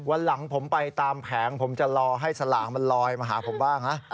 วันหลังผมไปตามแผงผมจะรอให้สลากมันลอยมาหาผมบ้างนะ